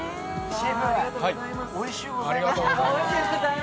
シェフ、おいしゅうございます。